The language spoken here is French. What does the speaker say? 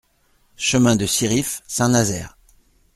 Chemin de Siriff, Saint-Nazaire